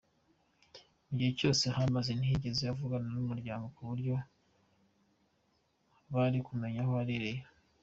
Mu gihe cyose yahamaze ntiyigeze avugana n’umuryango kuburyo bari kumenya aho aherereye.